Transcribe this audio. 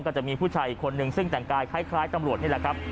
ก็จะมีผู้ชายอีกคนนึงซึ่งแต่งกายคล้ายตำรวจนี่แหละครับ